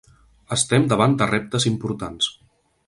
Estem davant de reptes importants.